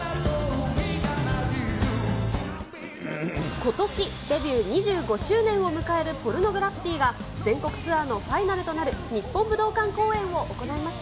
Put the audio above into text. ことし、デビュー２５周年を迎える、ポルノグラフィティが、全国ツアーのファイナルとなる日本武道館公演を行いました。